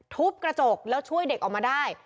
ทุบกระจกแล้วช่วยเด็กออกมาได้